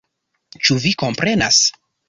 Ĉu vi komprenas??